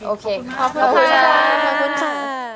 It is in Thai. โอเคขอบคุณค่ะ